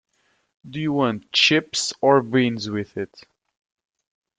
Do you want chips or beans with it?